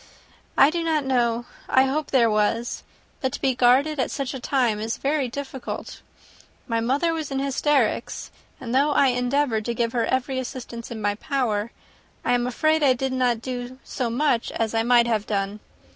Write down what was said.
"I do not know: I hope there was. But to be guarded at such a time is very difficult. My mother was in hysterics; and though I endeavoured to give her every assistance in my power, I am afraid I did not do so much as I might have done.